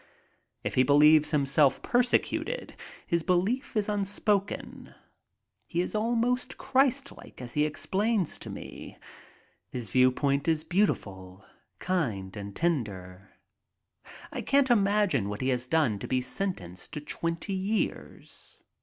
If he believes himself persecuted, his belief is unspoken. He is almost Christlike as he explains to me. His viewpoint is beautiful, kind, and tender. I can't imagine what he has done to be sentenced to twenty years.